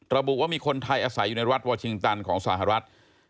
ระบุว่ามีคนไทยอาศัยอยู่ในรัฐวอร์ชิงตันของสหรัฐ